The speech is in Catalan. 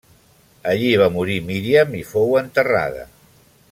Allí va morir Míriam i fou enterrada.